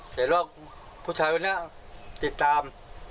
เห็นว่าผู้ชายคนนี้ติดตาม